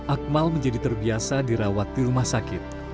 akmal menjadi terbiasa dirawat di rumah sakit